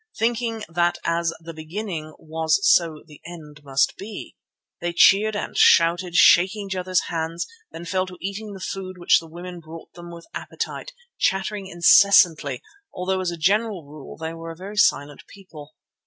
Thinking that as the beginning was so the end must be, they cheered and shouted, shaking each other's hands, then fell to eating the food which the women brought them with appetite, chattering incessantly, although as a general rule they were a very silent people.